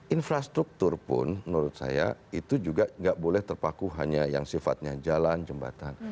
infrastruktur pun menurut saya itu juga nggak boleh terpaku hanya yang sifatnya jalan jembatan